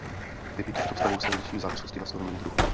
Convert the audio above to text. Typy těchto vztahů se liší v závislosti na slovním druhu.